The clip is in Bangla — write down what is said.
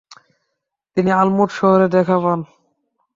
তিনি আলমুট শহরের দেখা পান।